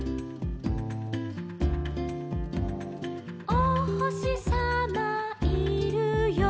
「おほしさまいるよ」